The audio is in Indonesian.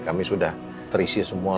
kami sudah terisi semua